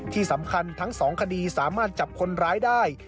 ที่สำคัญทั้ง๒คดีสามารถจับคนร้ายได้